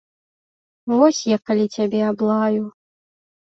Вось я калі цябе аблаю.